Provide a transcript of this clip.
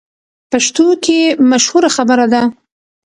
پښتو کې مشهوره خبره ده: